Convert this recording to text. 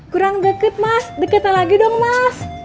kurang deket mas deketnya lagi dong mas